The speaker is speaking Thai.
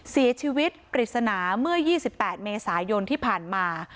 เสียชีวิตปริศนาเมื่อ๒๘เมษายนที่ผ่านมา